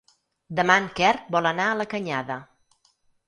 Demà en Quer vol anar a la Canyada.